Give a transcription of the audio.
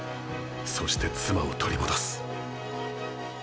そして妻を取り戻す。